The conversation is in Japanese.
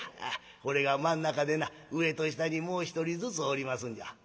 これが真ん中でな上と下にもう一人ずつおりますんじゃ」。